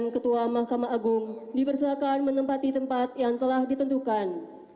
ketua mahkamah agung dipersilakan menempati tempat yang telah ditentukan